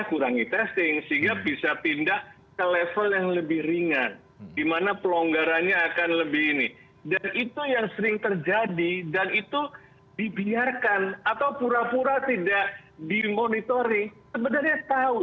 mungkin tahu mungkin tidak tahu atau pura pura tidak tahu